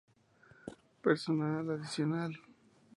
Personal adicional